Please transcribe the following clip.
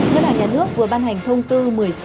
ngân hàng nhà nước vừa ban hành thông tư một mươi sáu